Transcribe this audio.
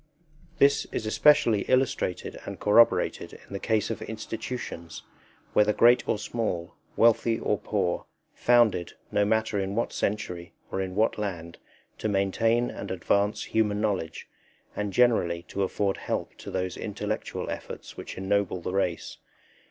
This is especially illustrated and corroborated in the case of institutions whether great or small, wealthy or poor, founded, no matter in what century or in what land, to maintain and advance human knowledge, and generally to afford help to those intellectual efforts which ennoble the race.